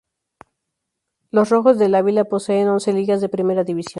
Los "Rojos del Avila" poseen once Ligas de Primera división.